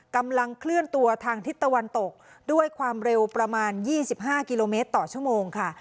กำลังเคลื่อนตัวทางทิศตะวันตกด้วยความเร็วประมาณ๒๕กิโลเมตรต่อชั่วโมงค่ะ